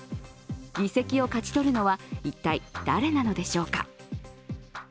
議席を勝ち取るのは一体、誰なのでしょうか？